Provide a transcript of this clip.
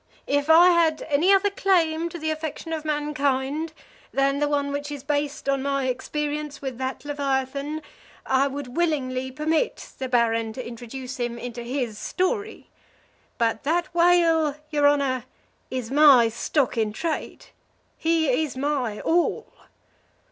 "If I had any other claim to the affection of mankind than the one which is based on my experience with that leviathan, I would willingly permit the Baron to introduce him into his story; but that whale, your honor, is my stock in trade he is my all."